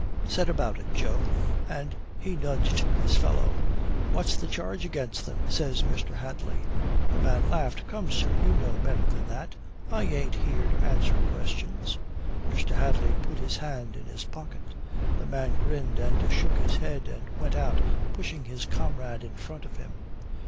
Set about it, Joe," and he nudged his fellow. "What's the charge against them?" says Mr. Hadley. The man laughed. "Come, sir, you know better than that. I ain't here to answer questions." Mr. Hadley put his hand in his pocket. The man grinned and shook his head, and went out pushing his comrade in front of him.